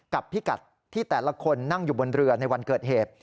พิกัดที่แต่ละคนนั่งอยู่บนเรือในวันเกิดเหตุ